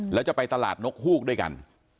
แล้วจะไปตลาดนกฮูกด้วยกัน